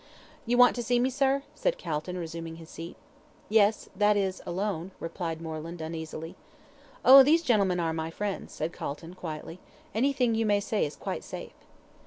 "You want to see me, sir?" said Calton, resuming his seat. "Yes; that is alone," replied Moreland, uneasily. "Oh, these gentlemen are my friends," said Calton, quietly; "anything you may say is quite safe."